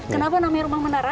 kenapa namanya rumah menara